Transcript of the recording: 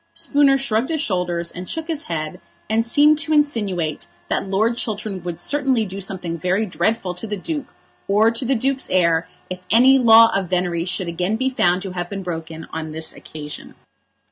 Spooner shrugged his shoulders, and shook his head, and seemed to insinuate that Lord Chiltern would certainly do something very dreadful to the Duke or to the Duke's heir if any law of venery should again be found to have been broken on this occasion.